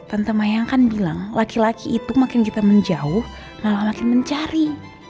tante mayang kan bilang laki laki itu makin kita menjauh malah makin mencari